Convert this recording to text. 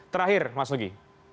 terakhir mas nugi